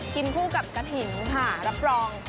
กินผู้กับกะหินค่ะรับรอง